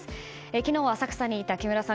昨日は浅草にいた木村さん